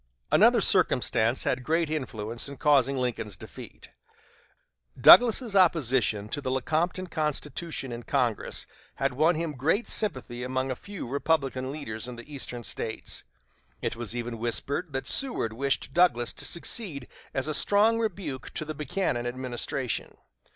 Another circumstance had great influence in causing Lincoln's defeat. Douglas's opposition to the Lecompton Constitution in Congress had won him great sympathy among a few Republican leaders in the Eastern States. It was even whispered that Seward wished Douglas to succeed as a strong rebuke to the Buchanan administration.